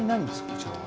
こちらは。